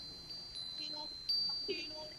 属乌贝拉巴总教区。